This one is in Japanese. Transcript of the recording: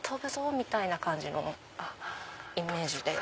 みたいな感じのイメージで。